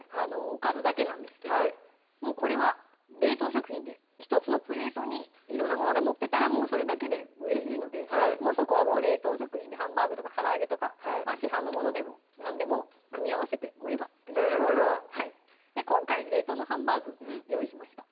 おかずだけなんですけどもうこれは冷凍食品で１つのプレートに色んなものが載ってたらもうそれだけでうれしいのでそこはもう冷凍食品でハンバーグとかから揚げとか市販のものでも何でも組み合わせて盛ればなるほど今回冷凍のハンバーグ用意しました